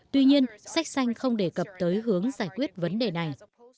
tuy nhiên sách xanh không đề cập tới hướng giải quyết vấn đề này